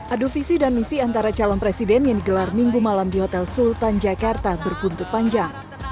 adu visi dan misi antara calon presiden yang digelar minggu malam di hotel sultan jakarta berbuntut panjang